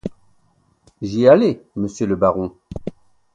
J'y allais, monsieur le baron.